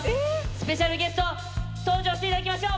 スペシャルゲスト登場していただきましょう。